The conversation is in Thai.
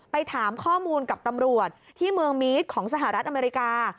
ไปถามข้อมูลกับตำรวจที่เมืองมีดของสหรัฐอเมริกา